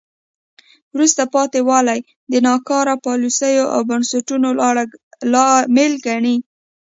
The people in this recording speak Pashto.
وروسته پاتې والی د ناکاره پالیسیو او بنسټونو لامل ګڼي.